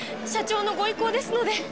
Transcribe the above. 社長のご意向ですので！